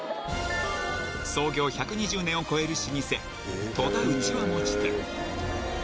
創業１２０年をこえる老舗戸田うちわ餅店